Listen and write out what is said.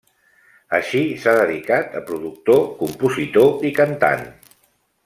Així s'ha dedicat a productor, compositor i cantant.